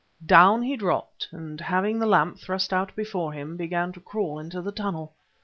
Down he dropped, and, having the lamp thrust out before him, began to crawl into the tunnel.